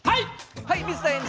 はい水田エンジ。